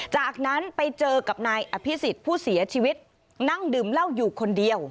จากนั้นไปเจอกับนายอภิษฎผู้เสียชีวิตนั่งดื่มเหล้าอยู่คนเดียว